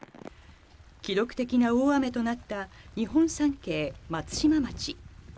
記録的な大雨となった日本三景、松島町。